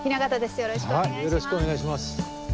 よろしくお願いします。